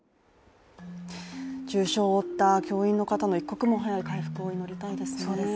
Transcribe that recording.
重傷を負った教員の方の一刻も早い回復を祈りたいですね。